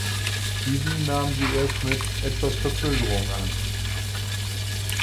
Diesen nahm sie erst mit etwas Verzögerung an.